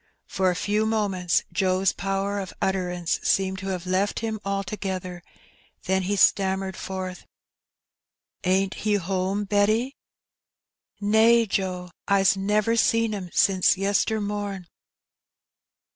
For a few moments Joe's power of utterance seemed to have left him altogether, then he stammered forth — "Ain't he home, Betty?" " Nae, Joe ; I's never seen ^im sin yester mom !